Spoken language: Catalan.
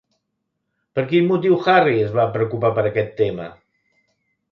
Per quin motiu Harry es va preocupar per aquest tema?